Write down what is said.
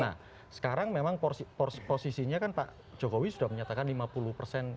nah sekarang memang posisinya kan pak jokowi sudah menyatakan lima puluh lima puluh gitu